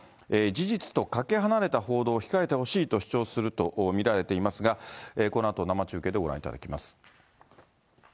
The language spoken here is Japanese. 事実とかけ離れた報道を控えてほしいと主張すると見られていますが、このあと生中継でご覧いただきます。